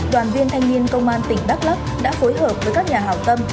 đoàn viên thanh niên công an tỉnh đắk lắk đã phối hợp với các nhà hào tâm